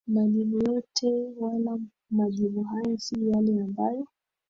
majibu yote Wala majibu haya si yale ambayo